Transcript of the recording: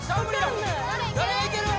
誰がいける？